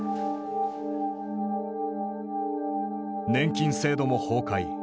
年金制度も崩壊。